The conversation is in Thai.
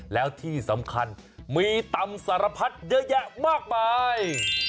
แล้วที่สำคัญมีตำสารพัดเยอะแยะมากมาย